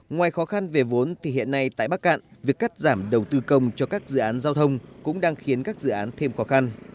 ngoài khó khăn về vốn thì hiện nay tại bắc cạn việc cắt giảm đầu tư công cho các dự án giao thông cũng đang khiến các dự án thêm khó khăn